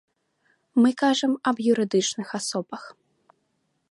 Мы кажам аб юрыдычных асобах.